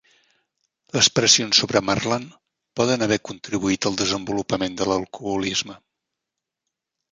Les pressions sobre Marland poden haver contribuït al desenvolupament de l'alcoholisme.